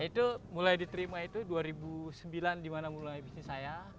itu mulai diterima itu dua ribu sembilan dimana mulai bisnis saya